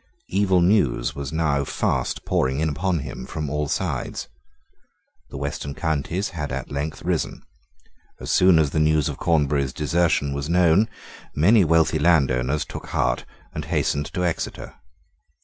Evil news was now fast pouring in upon him from all sides. The western counties had at length risen. As soon as the news of Cornbury's desertion was known, many wealthy landowners took heart and hastened to Exeter.